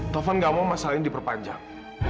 telepon gak mau masalah ini diperpanjang